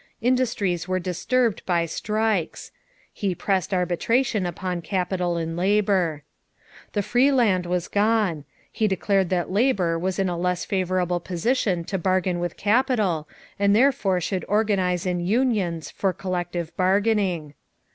Industries were disturbed by strikes; he pressed arbitration upon capital and labor. The free land was gone; he declared that labor was in a less favorable position to bargain with capital and therefore should organize in unions for collective bargaining.